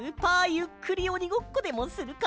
ゆっくりおにごっこでもするか？